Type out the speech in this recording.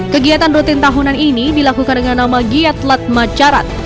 kegiatan rutin tahunan ini dilakukan dengan nama giat latmacarat